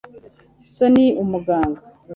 so ni umuganga